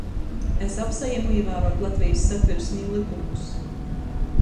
Es apsajamu īvāruot Latvejis Satversmi i lykumus.